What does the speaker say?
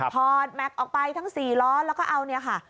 ถอดแม็กซ์ออกไปทั้ง๔ล้อแล้วก็เอาเนี่ยค่ะ